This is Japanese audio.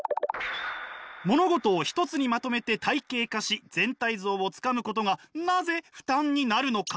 物事を一つにまとめて体系化し全体像をつかむことがなぜ負担になるのか？